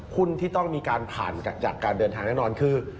หุ้นที่ต้องมีการผ่านจากการเดินทางแน่นอนคือ